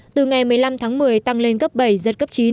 từ ngày một mươi năm tháng một mươi tăng lên cấp bảy giật cấp chín